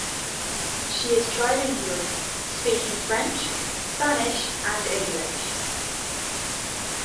She is trilingual, speaking French, Spanish and English.